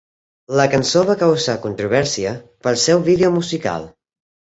La cançó va causar controvèrsia pel seu vídeo musical.